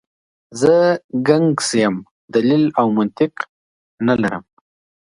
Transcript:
زه ګنګسه یم، دلیل او منطق نه لرم.